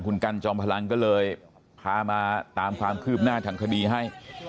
คุณกันจอมพลังก็เลยพามาตามความคืบหน้าทางคดีให้